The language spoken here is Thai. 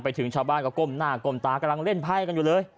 ถึงชาวบ้านก็ก้มหน้าก้มตากำลังเล่นไพ่กันอยู่เลย